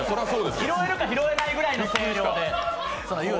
拾えるか拾えないぐらいの声量で。